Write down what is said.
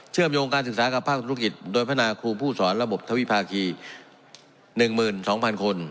โยงการศึกษากับภาคธุรกิจโดยพัฒนาครูผู้สอนระบบทวิภาคี๑๒๐๐คน